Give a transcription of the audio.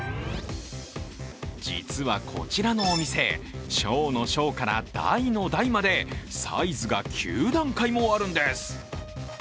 実はこちらのお店、小の小から大の大までサイズが９段階もあるんです。